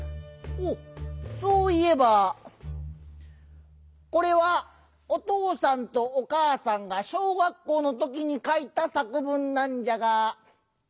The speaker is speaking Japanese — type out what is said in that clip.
おっそういえばこれはおとうさんとおかあさんが小学校のときにかいたさく文なんじゃが。